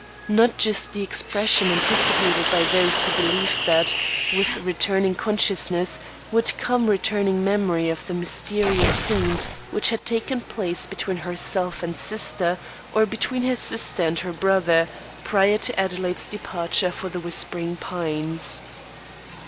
Not just the expression anticipated by those who believed that, with returning consciousness, would come returning memory of the mysterious scene which had taken place between herself and sister, or between her sister and her brother, prior to Adelaide's departure for The Whispering Pines.